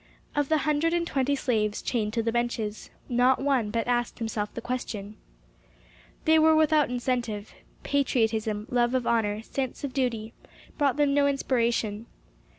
Of the hundred and twenty slaves chained to the benches, not one but asked himself the question. They were without incentive. Patriotism, love of honor, sense of duty, brought them no inspiration.